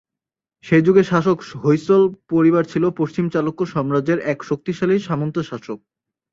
সেই যুগে শাসক হৈসল পরিবার ছিল পশ্চিম চালুক্য সাম্রাজ্যের এক শক্তিশালী সামন্ত শাসক।